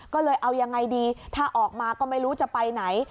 ก็เลยเอายังไงดีถ้าออกมาก็ไม่รู้จะไปไหน